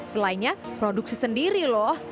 selainya produk sesendiri loh